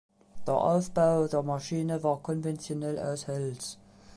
Der Aufbau der Maschine war konventionell aus Holz.